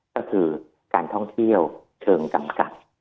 ก็คือการท่องเที่ยวเชิงจำกัด